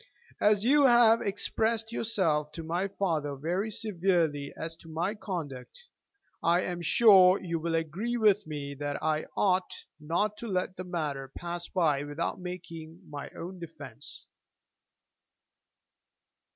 As you have expressed yourself to my father very severely as to my conduct, I am sure you will agree with me that I ought not to let the matter pass by without making my own defence.